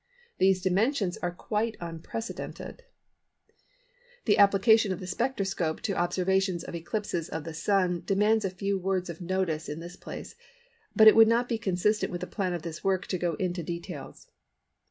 These dimensions are quite unprecedented. [Illustration: FIG. 10.—CORONA OF 1882. (SUN SPOT MAXIMUM.)] The application of the spectroscope to observations of eclipses of the Sun demands a few words of notice in this place, but it would not be consistent with the plan of this work to go into details.